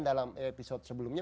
dalam episode sebelumnya